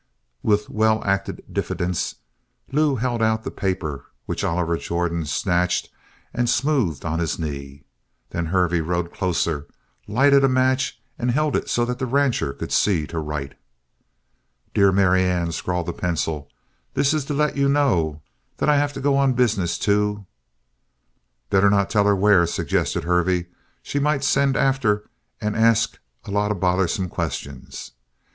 With well acted diffidence, Lew held out the paper, which Oliver Jordan snatched and smoothed on his knee. Then Hervey rode closer, lighted a match, and held it so that the rancher could see to write. "Dear Marianne," scrawled the pencil, "this is to let you know that I have to go on business to " "Better not tell her where," suggested Hervey. "She might send after and ask a lot of bothersome questions.